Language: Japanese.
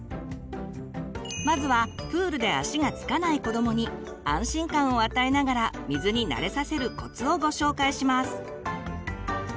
まずはプールで足が着かない子どもに安心感を与えながら水に慣れさせるコツをご紹介します！